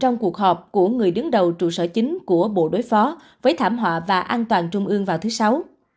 trong cuộc họp của người đứng đầu trụ sở chính của bộ đối phó với thảm họa và an toàn trung ương vào thứ sáu